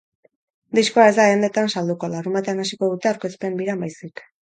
Diskoa ez da dendetan salduko, larunbatean hasiko duten aurkezpen biran baizik.